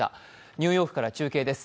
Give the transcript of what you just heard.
ニューヨークから中継です。